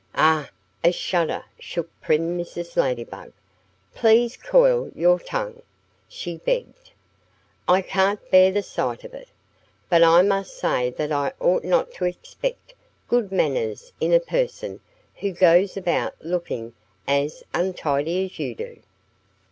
"Ugh!" A shudder shook prim Mrs. Ladybug. "Please coil your tongue!" she begged. "I can't bear the sight of it. But I must say that I ought not to expect good manners in a person who goes about looking as untidy as you do."